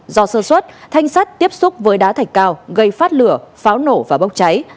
do sơ xuất thanh sắt tiếp xúc với đá thạch cao gây phát lửa pháo nổ và bốc cháy